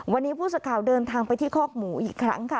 วันนี้ผู้สื่อข่าวเดินทางไปที่คอกหมูอีกครั้งค่ะ